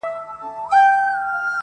جهاني څه ویل رویبار په ماته- ماته ژبه-